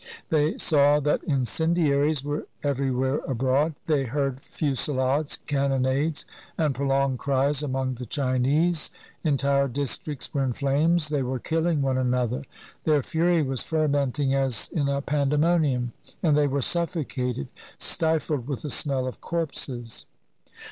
They saw that incendiaries were everywhere abroad ; they heard fusillades, cannonades, and prolonged cries among the Chinese; entire districts were in flames; they were killing one another; their fury was fermenting as in a pandemonium, and they were suffocated, stifled with the smell of corpses.